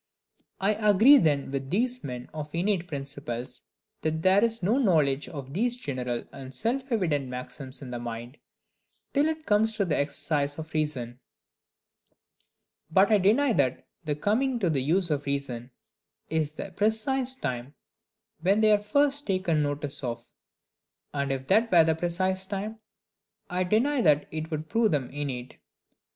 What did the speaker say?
I agree then with these men of innate principles, that there is no knowledge of these general and self evident maxims in the mind, till it comes to the exercise of reason: but I deny that the coming to the use of reason is the precise time when they are first taken notice of; and if that were the precise time, I deny that it would prove them innate.